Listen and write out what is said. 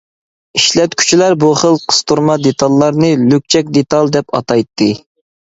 ئىشلەتكۈچىلەر بۇ خىل قىستۇرما دېتاللارنى «لۈكچەك دېتال» دەپ ئاتايتتى.